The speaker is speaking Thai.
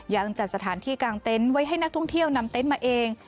ยังจัดสถานที่กลางเต็นต์ไว้ให้นักท่องเที่ยวนำเต็นต์มาเอง